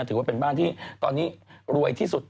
ถือว่าเป็นบ้านที่ตอนนี้รวยที่สุด